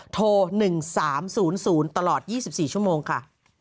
โทร๑๓๐๐ตลอด๒๔ชั่วโมงค่ะ